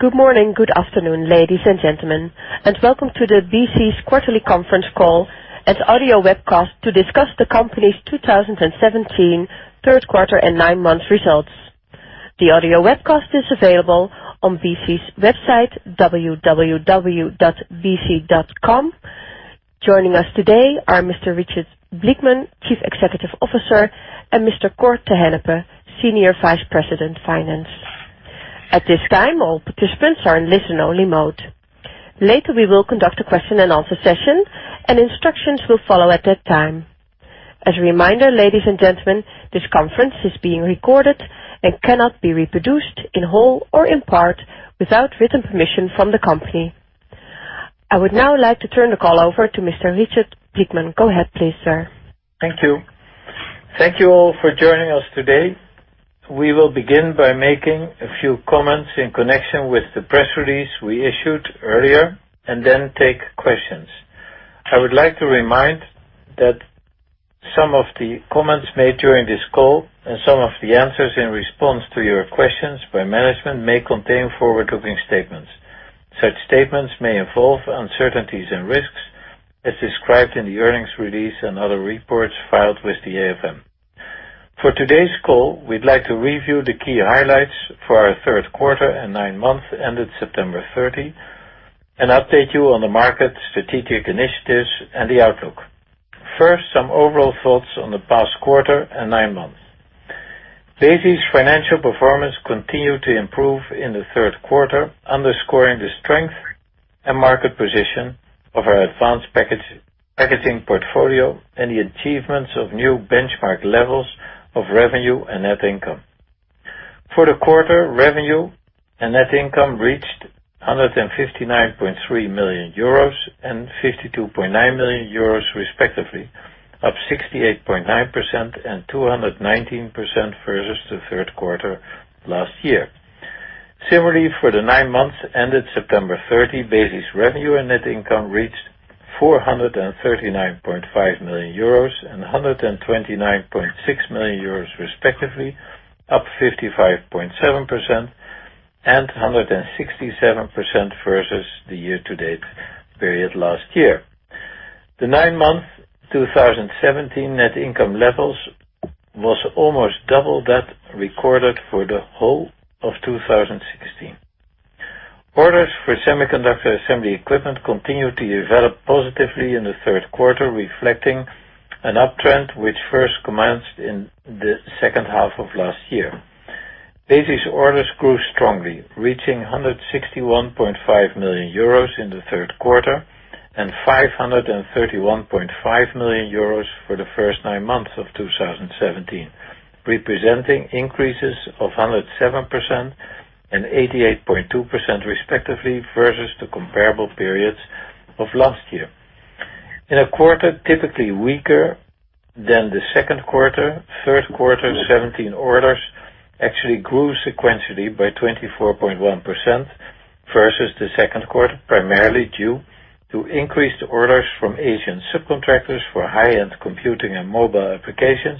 Good morning. Good afternoon, ladies and gentlemen, and welcome to the Besi's quarterly conference call and audio webcast to discuss the company's 2017 third quarter and nine-month results. The audio webcast is available on Besi's website, www.besi.com. Joining us today are Mr. Richard Blickman, Chief Executive Officer, and Mr. Cor ter Heurne, Senior Vice President, Finance. At this time, all participants are in listen-only mode. Later, we will conduct a question and answer session, and instructions will follow at that time. As a reminder, ladies and gentlemen, this conference is being recorded and cannot be reproduced in whole or in part without written permission from the company. I would now like to turn the call over to Mr. Richard Blickman. Go ahead, please, sir. Thank you. Thank you all for joining us today. We will begin by making a few comments in connection with the press release we issued earlier, and then take questions. I would like to remind that some of the comments made during this call and some of the answers in response to your questions by management may contain forward-looking statements. Such statements may involve uncertainties and risks as described in the earnings release and other reports filed with the AFM. For today's call, we'd like to review the key highlights for our third quarter and nine months ended September 30, and update you on the market, strategic initiatives, and the outlook. First, some overall thoughts on the past quarter and nine months. Besi's financial performance continued to improve in the third quarter, underscoring the strength and market position of our advanced packaging portfolio and the achievements of new benchmark levels of revenue and net income. For the quarter, revenue and net income reached 159.3 million euros and 52.9 million euros respectively, up 68.9% and 219% versus the third quarter last year. Similarly, for the nine months ended September 30, Besi's revenue and net income reached 439.5 million euros and 129.6 million euros respectively, up 55.7% and 167% versus the year-to-date period last year. The nine-month 2017 net income levels was almost double that recorded for the whole of 2016. Orders for semiconductor assembly equipment continued to develop positively in the third quarter, reflecting an uptrend which first commenced in the second half of last year. Besi's orders grew strongly, reaching 161.5 million euros in the third quarter and 531.5 million euros for the first nine months of 2017, representing increases of 107% and 88.2% respectively versus the comparable periods of last year. In a quarter typically weaker than the second quarter, Q3 2017 orders actually grew sequentially by 24.1% versus the second quarter, primarily due to increased orders from Asian subcontractors for high-end computing and mobile applications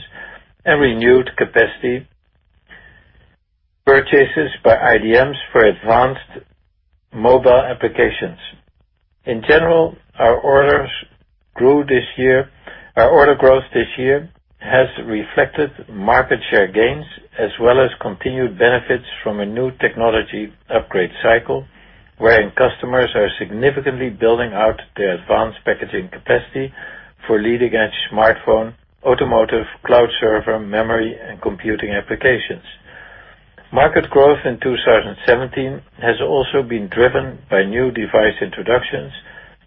and renewed capacity purchases by IDMs for advanced mobile applications. In general, our order growth this year has reflected market share gains as well as continued benefits from a new technology upgrade cycle, wherein customers are significantly building out their advanced packaging capacity for leading-edge smartphone, automotive, cloud server, memory, and computing applications. Market growth in 2017 has also been driven by new device introductions,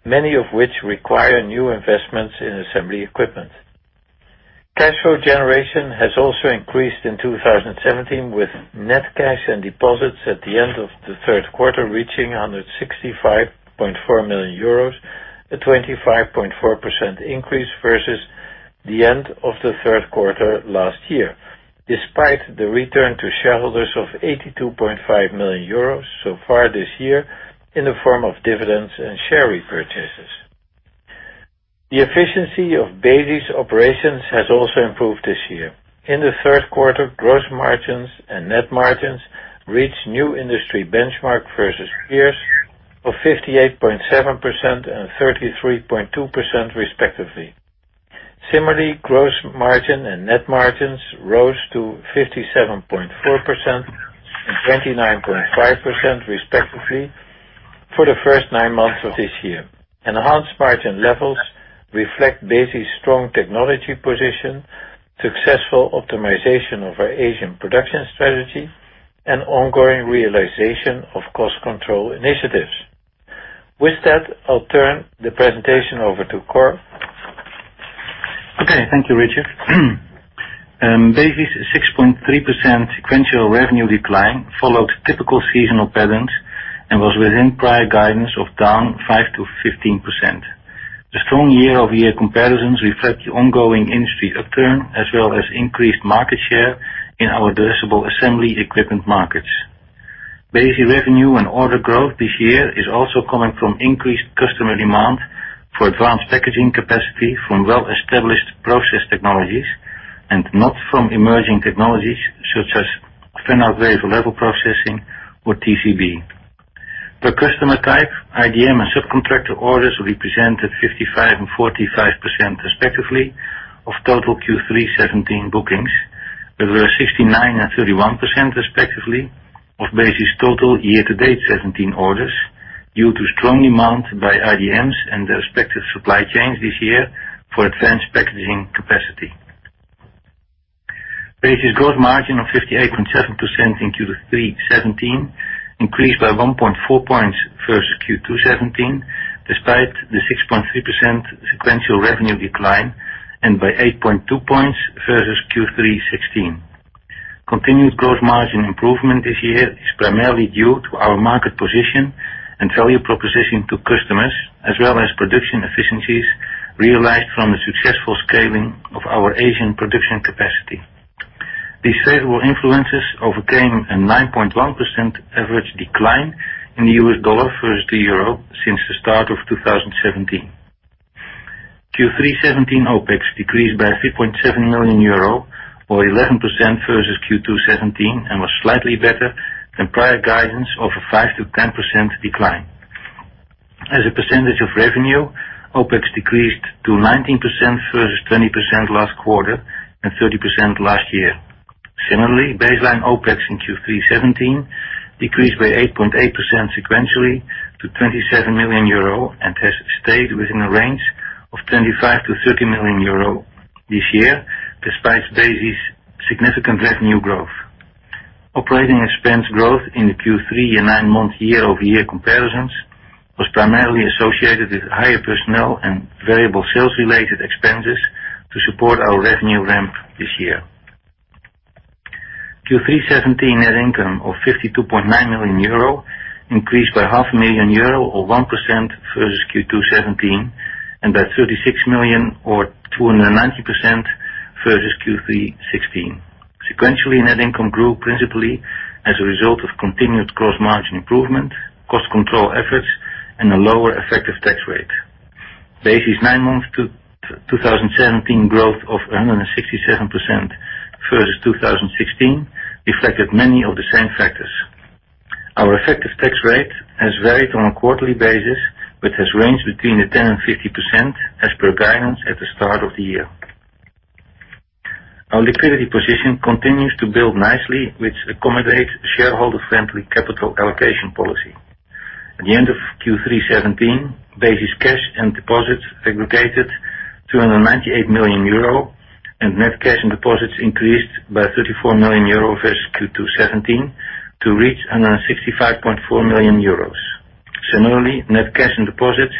many of which require new investments in assembly equipment. Cash flow generation has also increased in 2017, with net cash and deposits at the end of the third quarter reaching 165.4 million euros, a 25.4% increase versus the end of the third quarter last year, despite the return to shareholders of 82.5 million euros so far this year in the form of dividends and share repurchases. The efficiency of Besi's operations has also improved this year. In the third quarter, gross margins and net margins reached new industry benchmark versus peers of 58.7% and 33.2% respectively. Similarly, gross margin and net margins rose to 57.4% and 29.5% respectively for the first nine months of this year. Enhanced margin levels reflect Besi's strong technology position, successful optimization of our Asian production strategy, and ongoing realization of cost control initiatives. With that, I'll turn the presentation over to Cor. Okay. Thank you, Richard. Besi's 6.3% sequential revenue decline followed typical seasonal patterns and was within prior guidance of down 5%-15%. The strong year-over-year comparisons reflect the ongoing industry upturn, as well as increased market share in our addressable assembly equipment market. Besi revenue and order growth this year is also coming from increased customer demand for advanced packaging capacity from well-established process technologies, and not from emerging technologies such as Fan-Out Wafer Level processing or TCB. Per customer type, IDM and subcontractor orders represented 55% and 45%, respectively, of total Q3 '17 bookings, but were 69% and 31%, respectively, of Besi's total year-to-date '17 orders due to strong demand by IDMs and their respective supply chains this year for advanced packaging capacity. Besi's gross margin of 58.7% in Q3 '17 increased by 1.4 points versus Q2 '17, despite the 6.3% sequential revenue decline and by 8.2 points versus Q3 '16. Continued gross margin improvement this year is primarily due to our market position and value proposition to customers, as well as production efficiencies realized from the successful scaling of our Asian production capacity. These favorable influences overcame a 9.1% average decline in the US dollar versus the euro since the start of 2017. Q3 '17 OpEx decreased by 3.7 million euro, or 11% versus Q2 '17, and was slightly better than prior guidance of a 5%-10% decline. As a percentage of revenue, OpEx decreased to 19% versus 20% last quarter and 30% last year. Baseline OpEx in Q3 '17 decreased by 8.8% sequentially to 27 million euro and has stayed within a range of 25 million-30 million euro this year, despite Besi's significant revenue growth. Operating expense growth in the Q3 and nine-month year-over-year comparisons was primarily associated with higher personnel and variable sales-related expenses to support our revenue ramp this year. Q3 '17 net income of 52.9 million euro increased by half a million euro, or 1%, versus Q2 '17, and by 36 million, or 290%, versus Q3 '16. Sequentially, net income grew principally as a result of continued gross margin improvement, cost control efforts, and a lower effective tax rate. Besi's nine-month 2017 growth of 167% versus 2016 reflected many of the same factors. Our effective tax rate has varied on a quarterly basis but has ranged between the 10%-15% as per guidance at the start of the year. Our liquidity position continues to build nicely, which accommodates shareholder-friendly capital allocation policy. At the end of Q3 2017, Besi's cash and deposits aggregated 298 million euro, and net cash and deposits increased by 34 million euro versus Q2 2017 to reach 165.4 million euros. Similarly, net cash and deposits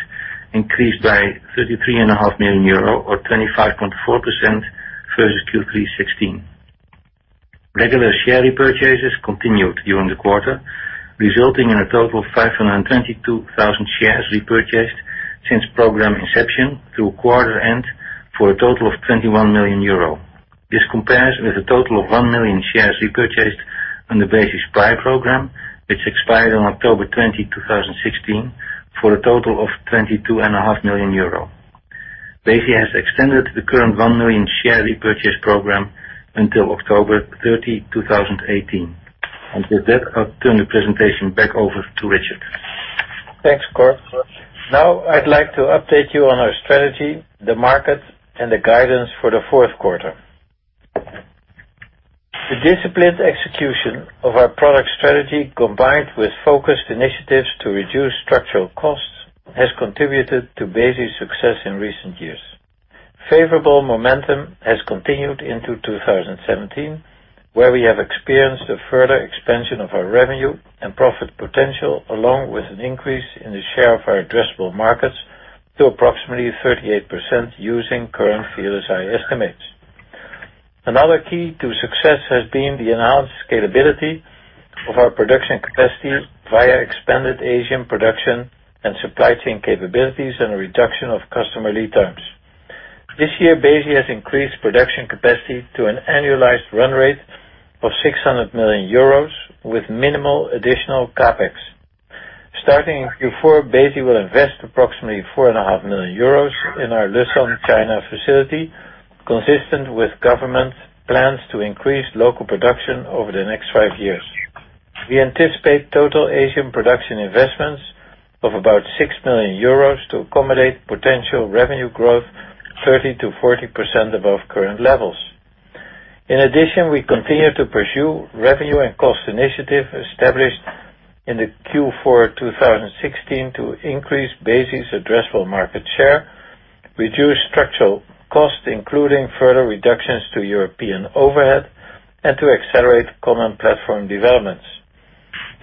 increased by 33.5 million euro or 25.4% versus Q3 2016. Regular share repurchases continued during the quarter, resulting in a total of 522,000 shares repurchased since program inception through quarter end for a total of 21 million euro. This compares with a total of 1 million shares repurchased on the Besi's prior program, which expired on October 20, 2016, for a total of 22.5 million euro. Besi has extended the current 1 million share repurchase program until October 30, 2018. With that, I'll turn the presentation back over to Richard. Thanks, Cor. I'd like to update you on our strategy, the market, and the guidance for the fourth quarter. The disciplined execution of our product strategy, combined with focused initiatives to reduce structural costs, has contributed to Besi's success in recent years. Favorable momentum has continued into 2017, where we have experienced a further expansion of our revenue and profit potential, along with an increase in the share of our addressable markets to approximately 38% using current VLSI estimates. Another key to success has been the enhanced scalability of our production capacity via expanded Asian production and supply chain capabilities and a reduction of customer lead times. This year, Besi has increased production capacity to an annualized run rate of 600 million euros with minimal additional CapEx. Starting in Q4, Besi will invest approximately 4.5 million euros in our Leshan, China facility, consistent with government plans to increase local production over the next five years. We anticipate total Asian production investments of about 6 million euros to accommodate potential revenue growth 30%-40% above current levels. In addition, we continue to pursue revenue and cost initiatives established in the Q4 2016 to increase Besi's addressable market share, reduce structural costs, including further reductions to European overhead, and to accelerate common platform developments.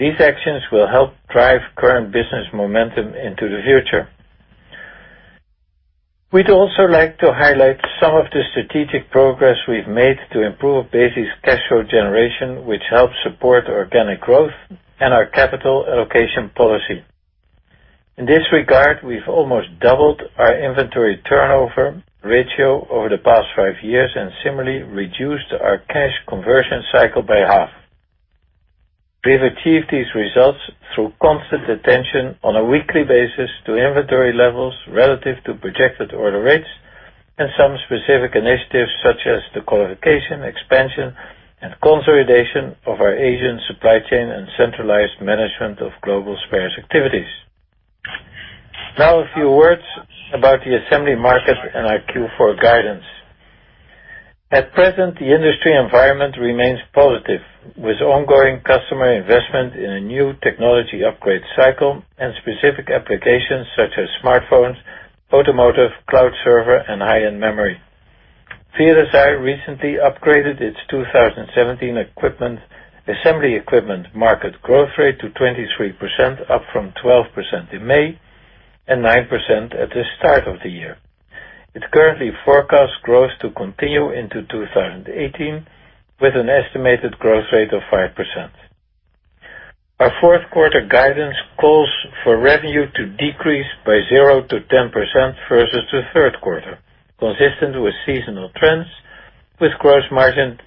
These actions will help drive current business momentum into the future. We'd also like to highlight some of the strategic progress we've made to improve Besi's cash flow generation, which helps support organic growth and our capital allocation policy. In this regard, we've almost doubled our inventory turnover ratio over the past five years, and similarly reduced our cash conversion cycle by half. We've achieved these results through constant attention on a weekly basis to inventory levels relative to projected order rates and some specific initiatives such as the qualification, expansion, and consolidation of our Asian supply chain and centralized management of global spares activities. A few words about the assembly market and our Q4 guidance. At present, the industry environment remains positive, with ongoing customer investment in a new technology upgrade cycle and specific applications such as smartphones, automotive, cloud server, and high-end memory. SEMI recently upgraded its 2017 assembly equipment market growth rate to 23%, up from 12% in May and 9% at the start of the year. It currently forecasts growth to continue into 2018 with an estimated growth rate of 5%. Our fourth quarter guidance calls for revenue to decrease by 0%-10% versus the third quarter, consistent with seasonal trends, with gross margins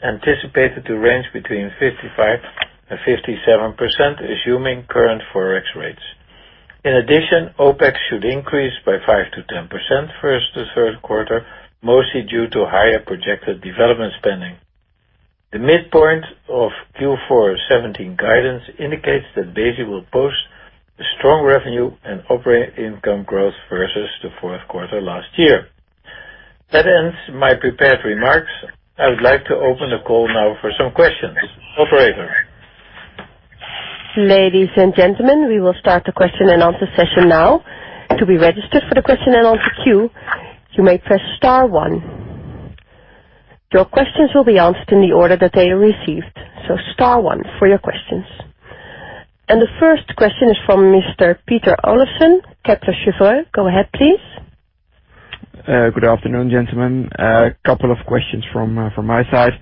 anticipated to range between 55% and 57%, assuming current Forex rates. In addition, OpEx should increase by 5%-10% versus the third quarter, mostly due to higher projected development spending. The midpoint of Q4 2017 guidance indicates that Besi will post strong revenue and operating income growth versus the fourth quarter last year. That ends my prepared remarks. I would like to open the call now for some questions. Operator. Ladies and gentlemen, we will start the question and answer session now. To be registered for the question and answer queue, you may press star 1. Your questions will be answered in the order that they are received. Star 1 for your questions. The first question is from Mr. Pieter Olofsen, Kepler Cheuvreux. Go ahead, please. Good afternoon, gentlemen. A couple of questions from my side.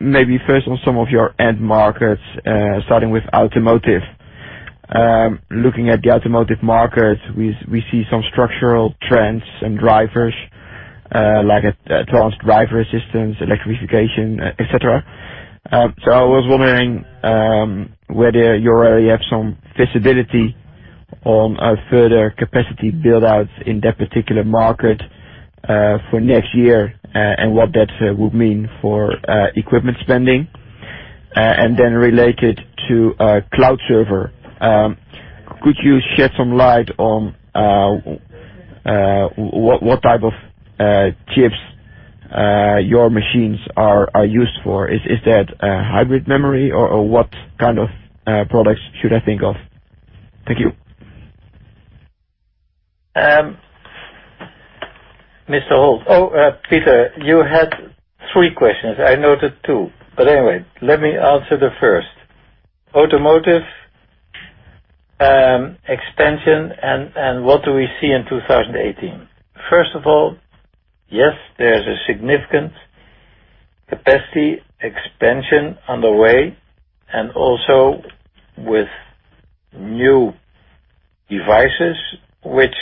Maybe first on some of your end markets, starting with automotive. Looking at the automotive market, we see some structural trends and drivers like advanced driver assistance, electrification, et cetera. I was wondering whether you already have some visibility on a further capacity build-out in that particular market for next year, and what that would mean for equipment spending. Then related to cloud server, could you shed some light on what type of chips your machines are used for? Is that hybrid memory, or what kind of products should I think of? Thank you. Mr. Holt. Oh, Pieter, you had three questions. I noted two. Anyway, let me answer the first. Automotive expansion and what do we see in 2018. First of all, yes, there's a significant capacity expansion on the way, and also with new devices, which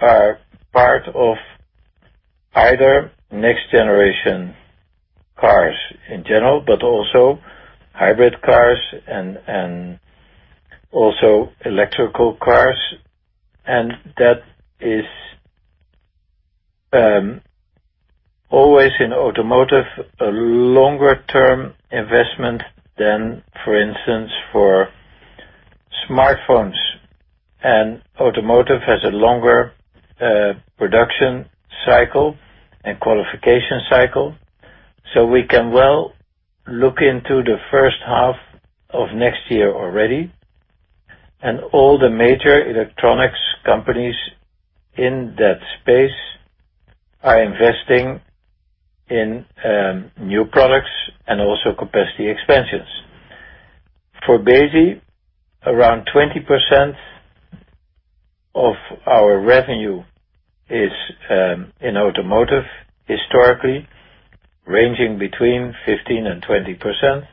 are part of either next-generation cars in general, but also hybrid cars and also electrical cars. That is always, in automotive, a longer-term investment than, for instance, for smartphones. Automotive has a longer production cycle and qualification cycle, so we can well look into the first half of next year already, and all the major electronics companies in that space are investing in new products and also capacity expansions. For Besi, around 20% of our revenue is in automotive, historically ranging between 15% and 20%.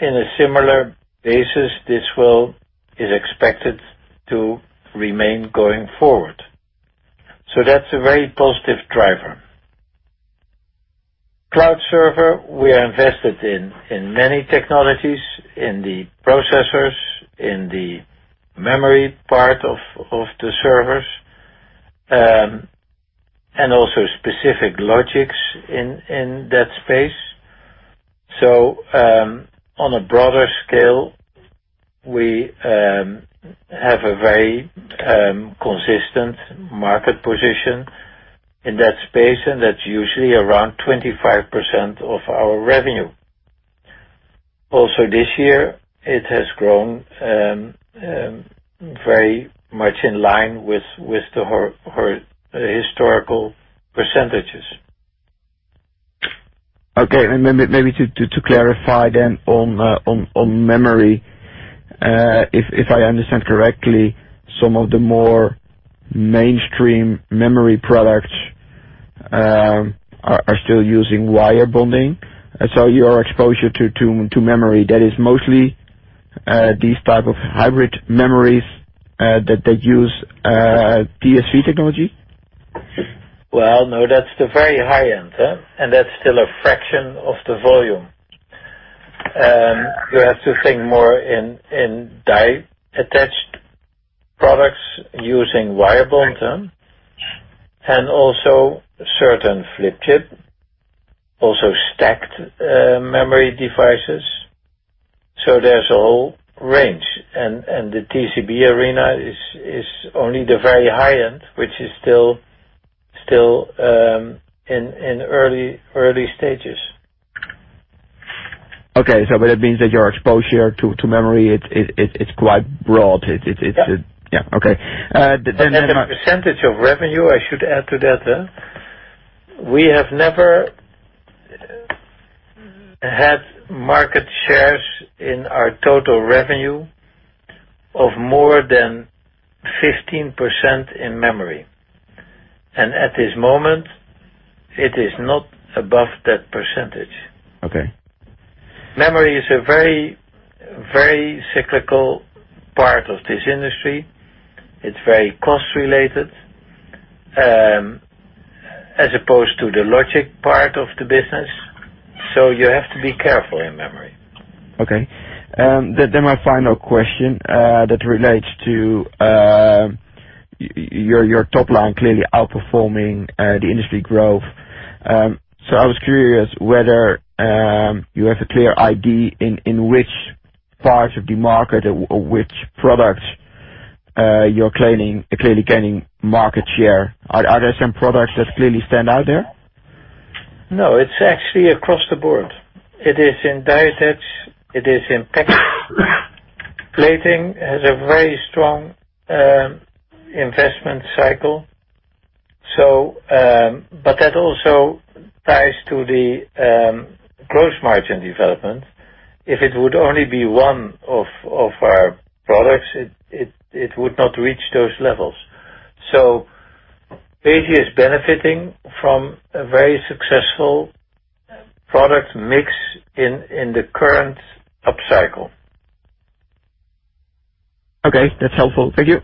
In a similar basis, this is expected to remain going forward. That's a very positive driver. Cloud server, we are invested in many technologies, in the processors, in the memory part of the servers, also specific logics in that space. On a broader scale, we have a very consistent market position in that space, and that's usually around 25% of our revenue. Also this year, it has grown very much in line with the historical percentages. Okay. Maybe to clarify then on memory. If I understand correctly, some of the more mainstream memory products are still using wire bonding. Your exposure to memory, that is mostly these type of hybrid memories that they use TSV technology? Well, no, that's the very high-end. That's still a fraction of the volume. You have to think more in die-attached products using wire bond. Also certain flip chip, also stacked memory devices. There's a whole range, and the TCB arena is only the very high-end, which is still in early stages. Okay. That means that your exposure to memory, it's quite broad. Yeah. Yeah. Okay. As a percentage of revenue, I should add to that, we have never had market shares in our total revenue of more than 15% in memory. At this moment, it is not above that percentage. Okay. Memory is a very cyclical part of this industry. It's very cost-related, as opposed to the logic part of the business. You have to be careful in memory. Okay. My final question that relates to your top line clearly outperforming the industry growth. I was curious whether you have a clear idea in which part of the market or which product you're clearly gaining market share. Are there some products that clearly stand out there? No, it's actually across the board. It is in die attach, it is in packaging. Plating has a very strong investment cycle. That also ties to the gross margin development. If it would only be one of our products, it would not reach those levels. Asia is benefiting from a very successful product mix in the current upcycle. Okay. That's helpful. Thank you.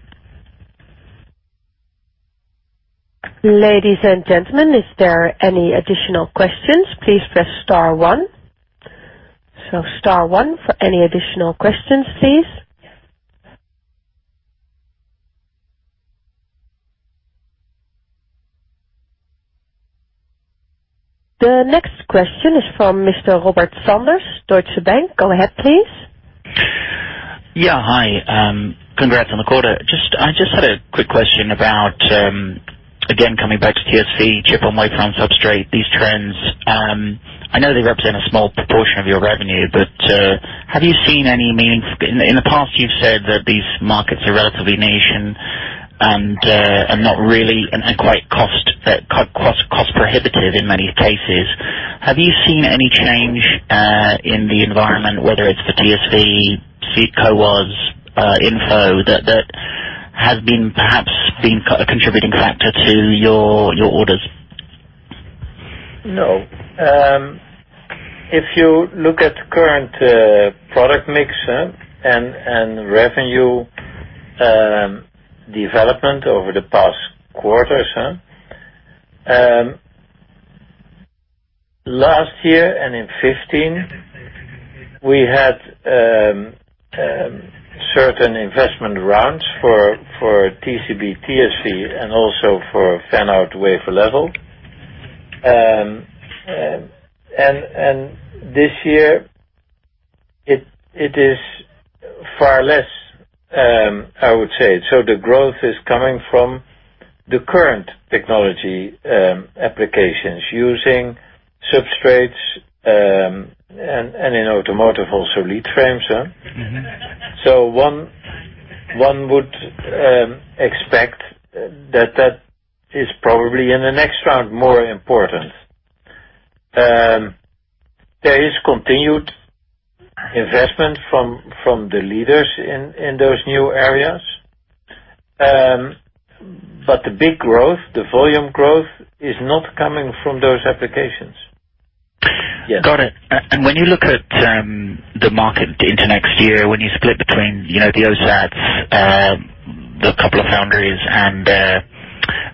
Ladies and gentlemen, is there any additional questions, please press star one. Star one for any additional questions, please. The next question is from Mr. Robert Sanders, Deutsche Bank. Go ahead, please. Yeah. Hi. Congrats on the quarter. I just had a quick question about, again, coming back to TSV, Chip-on-Wafer-on-Substrate, these trends. I know they represent a small proportion of your revenue, but have you seen any change in the environment, whether it's for TSV, Chip-on-Wafer-on-Substrate InFO that has been perhaps been a contributing factor to your orders? No. If you look at current product mix, revenue development over the past quarters. Last year and in 2015, we had certain investment rounds for TCB, TSV, and also for fan-out wafer level. This year it is far less, I would say. The growth is coming from the current technology applications using substrates, and in automotive also lead frames. One would expect that is probably in the next round, more important. There is continued investment from the leaders in those new areas. The big growth, the volume growth, is not coming from those applications. Got it. When you look at the market into next year, when you split between the OSATs, the couple of foundries and the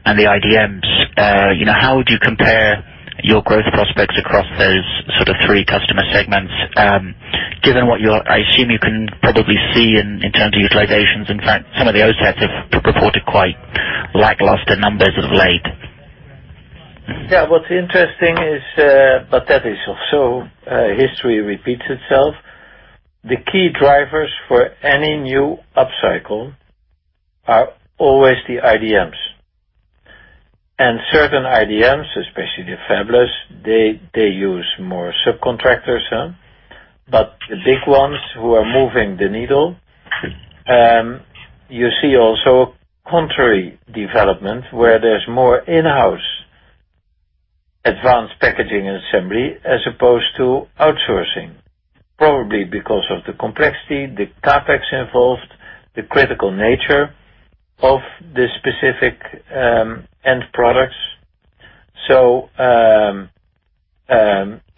IDMs, how would you compare your growth prospects across those three customer segments? Given what I assume you can probably see in terms of utilizations. In fact, some of the OSATs have reported quite lackluster numbers of late. Yeah. What's interesting is, that is also history repeats itself. The key drivers for any new upcycle are always the IDMs. Certain IDMs, especially the fabless, they use more subcontractors. The big ones who are moving the needle, you see also contrary development where there's more in-house advanced packaging and assembly, as opposed to outsourcing. Probably because of the complexity, the CapEx involved, the critical nature of the specific end products.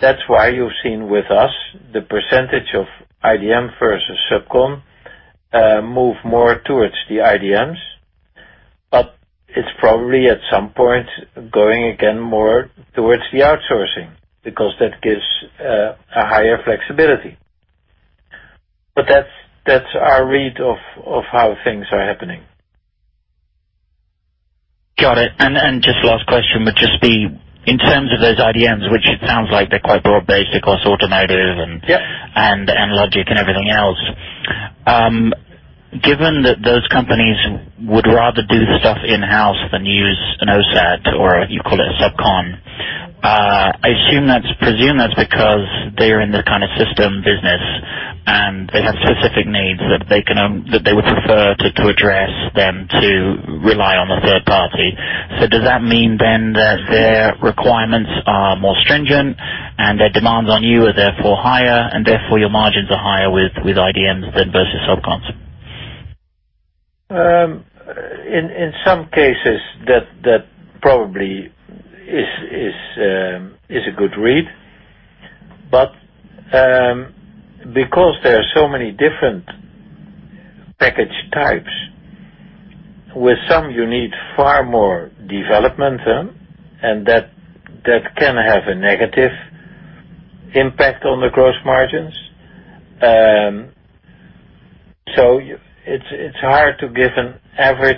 That's why you've seen with us the percentage of IDM versus subcon move more towards the IDMs. It's probably at some point, going again more towards the outsourcing, because that gives a higher flexibility. That's our read of how things are happening. Got it. Just last question, would just be, in terms of those IDMs, which it sounds like they're quite broad-based across automotive and- Yeah logic and everything else. Given that those companies would rather do stuff in-house than use an OSAT, or you call it a subcon, I presume that's because they're in the system business, and they have specific needs that they would prefer to address than to rely on a third party. Does that mean then that their requirements are more stringent, and their demands on you are therefore higher, and therefore your margins are higher with IDMs than versus subcons? In some cases, that probably is a good read. Because there are so many different package types, with some, you need far more development, and that can have a negative impact on the gross margins. It's hard to give an average.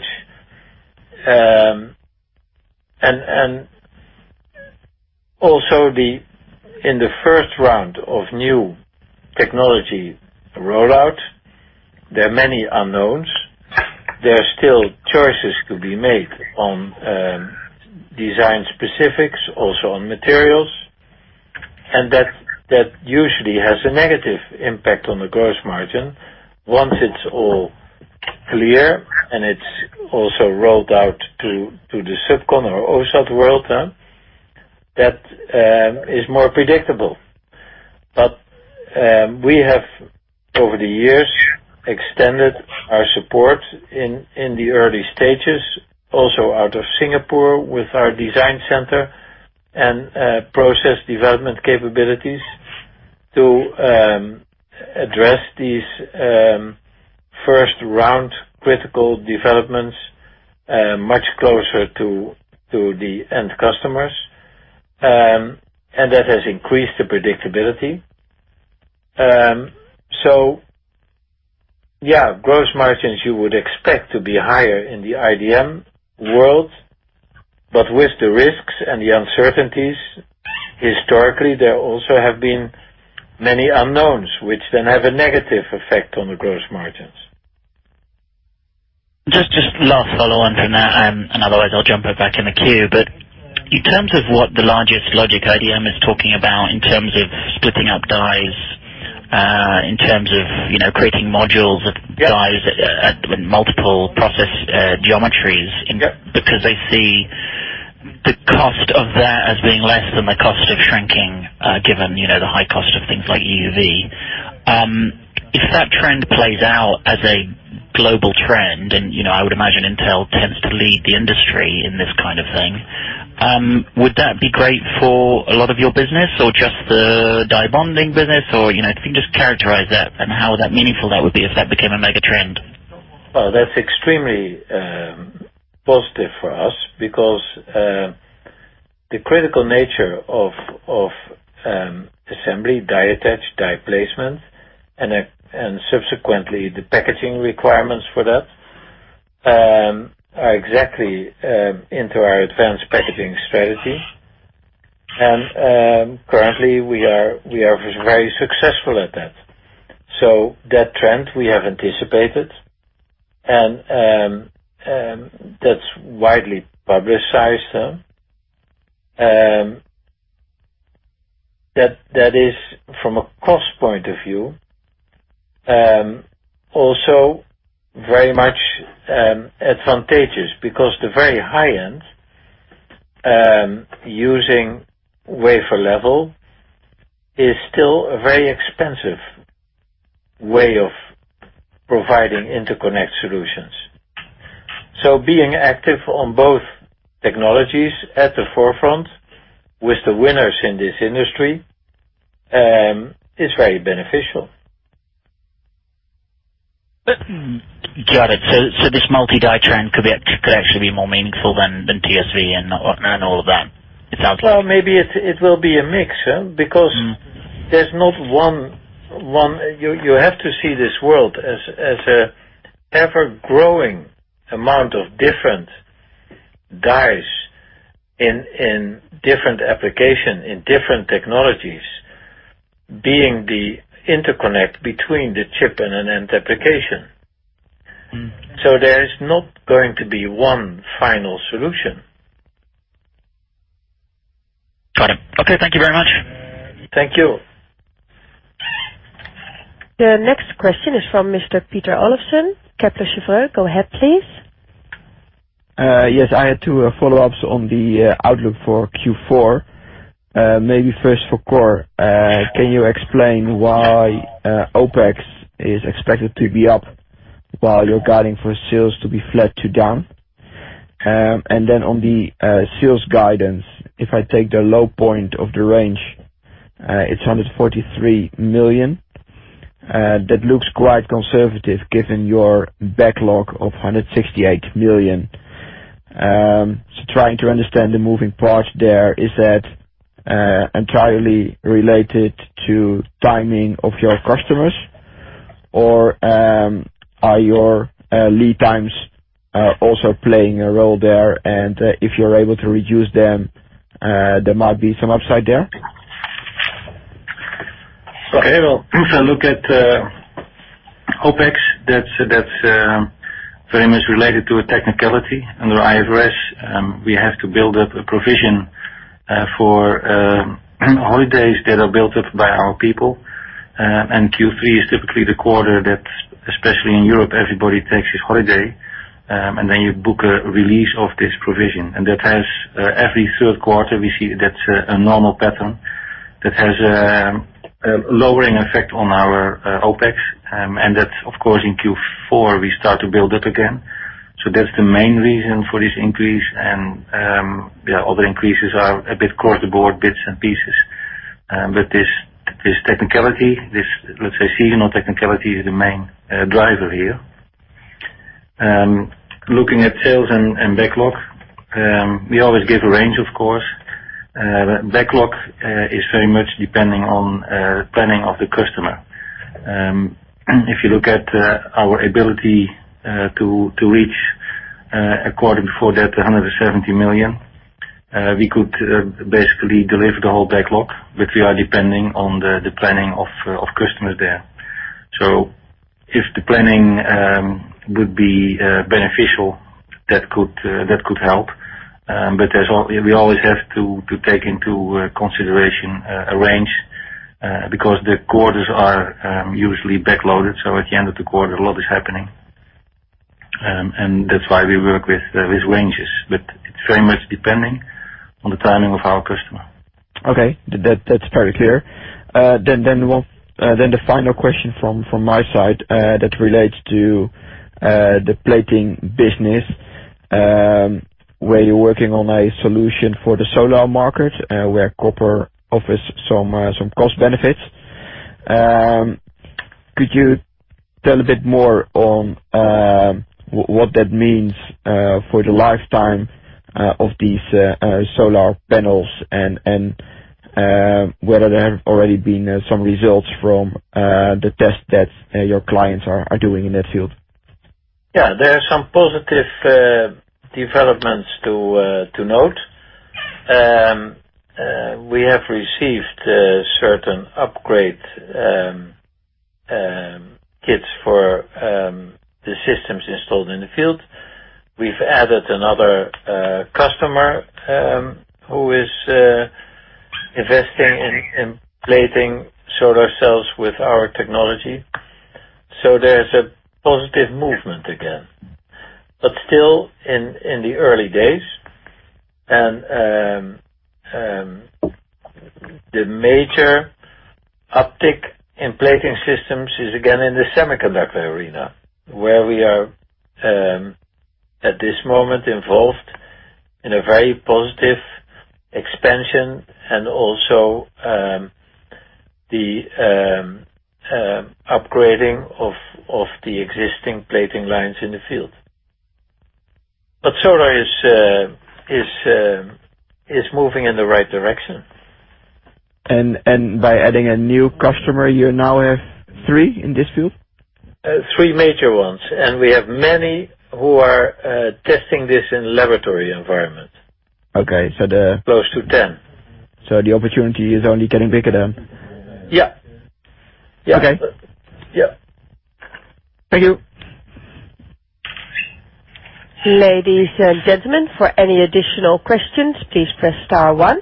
Also, in the first round of new technology rollout, there are many unknowns. There are still choices to be made on design specifics, also on materials, and that usually has a negative impact on the gross margin. Once it's all clear and it's also rolled out to the subcon or OSAT world, that is more predictable. We have, over the years, extended our support in the early stages, also out of Singapore with our design center and process development capabilities to address these first-round critical developments much closer to the end customers. That has increased the predictability. Yeah, gross margins you would expect to be higher in the IDM world. With the risks and the uncertainties, historically, there also have been many unknowns which then have a negative effect on the gross margins. Last follow-on from that, and otherwise, I'll jump back in the queue. In terms of what the largest logic IDM is talking about in terms of splitting up dies, in terms of creating modules of dies at multiple process geometries. Yep They see the cost of that as being less than the cost of shrinking, given the high cost of things like EUV. If that trend plays out as a global trend, and I would imagine Intel tends to lead the industry in this kind of thing, would that be great for a lot of your business or just the die bonding business? If you can just characterize that and how meaningful that would be if that became a mega trend. Well, that's extremely positive for us because the critical nature of assembly, die attach, die placement, and subsequently, the packaging requirements for that are exactly into our advanced packaging strategy. Currently, we are very successful at that. That trend we have anticipated, and that's widely publicized. That is, from a cost point of view, also very much advantageous because the very high-end, using wafer level, is still a very expensive way of providing interconnect solutions. Being active on both technologies at the forefront with the winners in this industry is very beneficial. Got it. This multi-die trend could actually be more meaningful than TSV and all of that, it sounds like. Well, maybe it will be a mix because there's not one. You have to see this world as an ever-growing amount of different dies in different application, in different technologies, being the interconnect between the chip and an end application. There is not going to be one final solution. Got it. Okay, thank you very much. Thank you. The next question is from Mr. Pieter Olofsen, Kepler Cheuvreux. Go ahead, please. Yes, I had two follow-ups on the outlook for Q4. Maybe first for Cor. Can you explain why OpEx is expected to be up while you're guiding for sales to be flat to down? Then on the sales guidance, if I take the low point of the range, it's 143 million. That looks quite conservative given your backlog of 168 million. Trying to understand the moving parts there, is that entirely related to timing of your customers, or are your lead times also playing a role there, and if you're able to reduce them, there might be some upside there? Okay, well, if I look at OpEx, that's very much related to a technicality. Under IFRS, we have to build up a provision for holidays that are built up by our people, and Q3 is typically the quarter that, especially in Europe, everybody takes his holiday, then you book a release of this provision. Every third quarter, we see that's a normal pattern that has a lowering effect on our OpEx. That, of course, in Q4, we start to build up again. That's the main reason for this increase and other increases are a bit across the board, bits and pieces. This technicality, this, let's say, seasonal technicality, is the main driver here. Looking at sales and backlog. We always give a range, of course. Backlog is very much depending on the planning of the customer. If you look at our ability to reach a quarter before that, 170 million, we could basically deliver the whole backlog, but we are depending on the planning of customers there. If the planning would be beneficial, that could help. We always have to take into consideration a range, because the quarters are usually backloaded, so at the end of the quarter, a lot is happening. That's why we work with ranges. It's very much depending on the timing of our customer. Okay. That's very clear. The final question from my side that relates to the plating business, where you're working on a solution for the solar market, where copper offers some cost benefits. Could you tell a bit more on what that means for the lifetime of these solar panels and whether there have already been some results from the test that your clients are doing in that field? Yeah, there are some positive developments to note. We've received certain upgrade kits for the systems installed in the field. We've added another customer who is investing in Plating solar cells with our technology. There's a positive movement again. Still in the early days. The major uptick in Plating systems is again in the semiconductor arena, where we are, at this moment, involved in a very positive expansion and also the upgrading of the existing Plating lines in the field. Solar is moving in the right direction. By adding a new customer, you now have three in this field? Three major ones. We have many who are testing this in laboratory environment. Okay. Close to 10. The opportunity is only getting bigger then. Yeah. Okay. Yeah. Thank you. Ladies and gentlemen, for any additional questions, please press star one.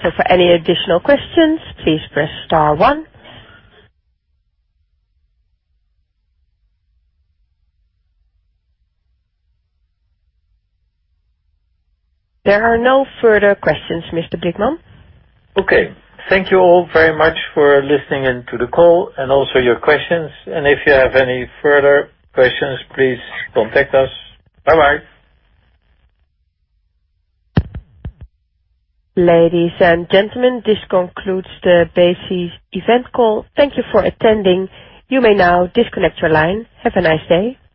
For any additional questions, please press star one. There are no further questions, Mr. Blickman. Okay. Thank you all very much for listening in to the call and also your questions. If you have any further questions, please contact us. Bye-bye. Ladies and gentlemen, this concludes the Besi event call. Thank you for attending. You may now disconnect your line. Have a nice day.